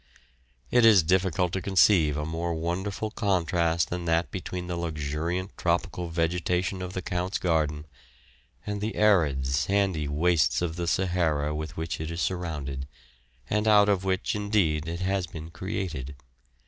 It is difficult to conceive a more wonderful contrast than that between the luxuriant tropical vegetation of the Count's garden and the arid, sandy wastes of the Sahara with which it is surrounded, and out of which indeed it has been created.